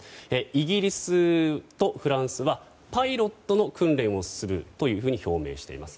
イギリスとフランスはパイロットの訓練をすると表明しています。